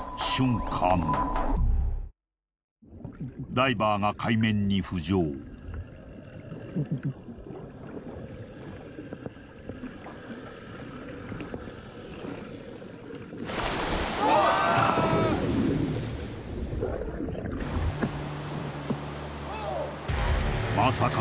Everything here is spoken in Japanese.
ダイバーが海面に浮上まさか